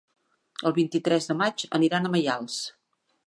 El vint-i-tres de maig aniran a Maials.